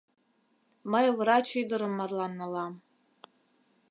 Мый врач ӱдырым марлан налам.